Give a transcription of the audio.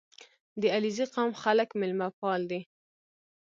• د علیزي قوم خلک میلمهپال دي.